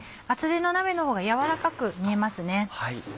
厚手の鍋のほうが軟らかく煮えますね。